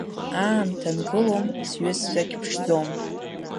Аамҭа нгылом, сҩызцәагь ԥшӡом.